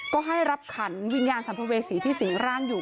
ก็ให้รับขันวิญญาณสัมภเวษีที่สิงร่างอยู่